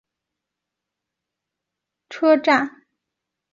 坂之上站指宿枕崎线的铁路车站。